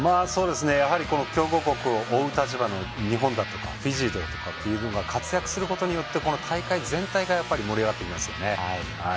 やはり強豪国を追う立場の日本だとかフィジーとかというのが活躍することによって大会全体が盛り上がってきますよね。